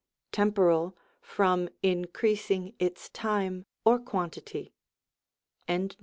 Temporal, from increasing its time, or quantity. §49.